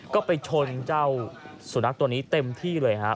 ก็ไปชนเจ้าสุนัขตัวนี้เต็มที่เลยครับ